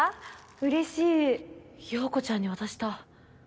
嬉しい葉子ちゃんに渡した。